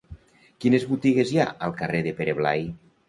Quines botigues hi ha al carrer de Pere Blai?